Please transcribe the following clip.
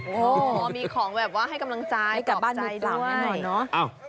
อ๋อมีของแบบว่าให้กำลังจายตอบใจด้วยให้กับบ้านบุกคลาบให้หน่อยนะ